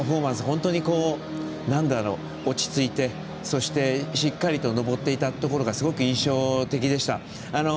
本当に、落ち着いてそして、しっかりと登っていたところがすごく印象的でした。